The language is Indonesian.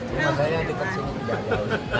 cuma saya yang deket sini tidak ada